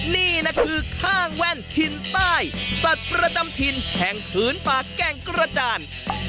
นี่นะคือข้างแว่นถิ่นใต้สัตว์ประจำถิ่นแห่งผืนป่าแก่งกระจาน